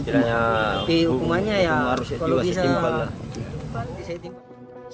jadi hukumannya ya kalau bisa